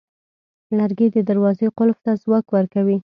لرګی د دروازې قلف ته ځواک ورکوي.